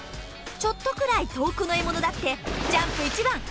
ちょっとくらい遠くの獲物だってジャンプ一番！